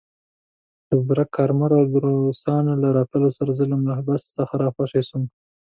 د ببرک کارمل او روسانو له راتلو سره زه له محبس څخه راخوشي شوم.